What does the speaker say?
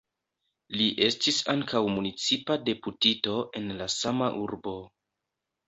Li estis ankaŭ municipa deputito en la sama urbo.